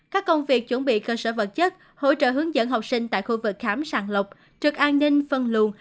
các công việc chuẩn bị cơ sở vật chất hỗ trợ hướng dẫn học sinh tại khu vực khám sàng lọc trực an ninh phân luồn